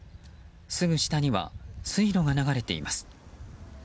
すぐ下には水路が流れています。